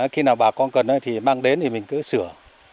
khi nào bà con cần thì mang đến thì mình cứ sửa